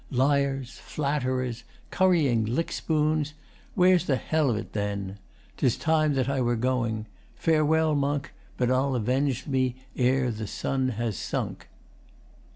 Liars! Flatterers! Currying lick spoons! Where's the Hell of 't then? 'Tis time that I were going. Farewell, Monk, But I'll avenge me ere the sun has sunk.